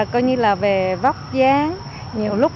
coi như là về vóc dáng